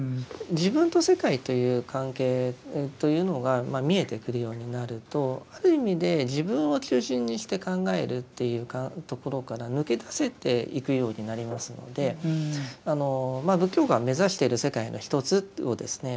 自分と世界という関係というのが見えてくるようになるとある意味で自分を中心にして考えるというところから抜け出せていくようになりますので仏教が目指してる世界の一つをですね